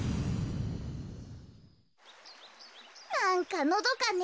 なんかのどかね。